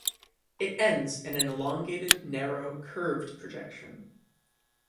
It ends in an elongated, narrow, curved projection.